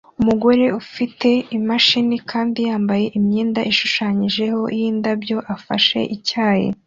Umugore ufite imashini kandi yambaye imyenda ishushanyije yindabyo afashe icyayi